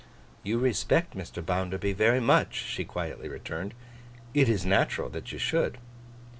'You respect Mr. Bounderby very much,' she quietly returned. 'It is natural that you should.